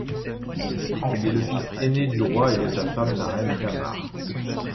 Il est le fils aîné du roi et de sa femme, la reine Tamar.